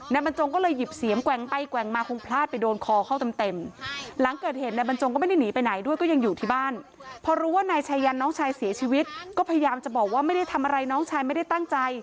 นายบรรจงก็เลยหยิบเสียงแกว่งไปแกว่งมา